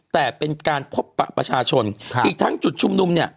แต่เป็นการพบประชาชนอีกทั้งจุดชุมนุม